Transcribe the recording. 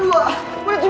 itu bukan alli zone dua